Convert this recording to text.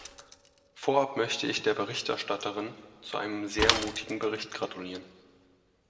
Vorab möchte ich der Berichterstatterin zu einem sehr mutigen Bericht gratulieren.